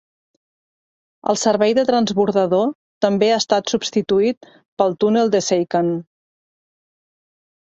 El servei de transbordador també ha estat substituït pel túnel de Seikan.